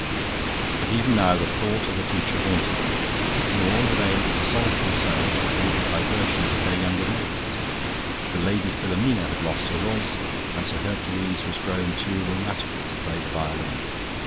But even now the thought of the future haunted them; nor were they able to solace themselves with all the diversions of their younger days. The Lady Filomena had lost her voice and Sir Hercules was grown too rheumatical to play the violin.